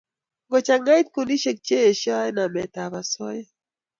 ngo changait kundishek che eshoy namet ab asoya